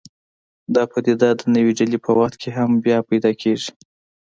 دا پدیده د نوې ډلې په وخت کې هم بیا پیدا کېږي.